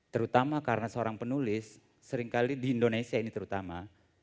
terutama karena seorang penulis seringkali di indonesia ini terutama